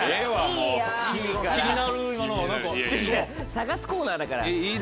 いや捜すコーナーだから。